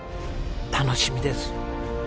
楽しみです！